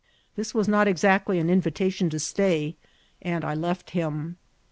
This was not exactly an invitation to stay, and I left him.